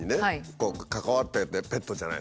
こう関わってペットじゃないですか。